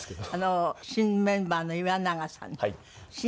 新メンバーの岩永さん。